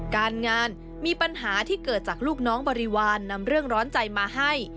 การงานมีปัญหาที่เกิดจากลูกน้องบริวารนำเรื่องร้อนใจมาให้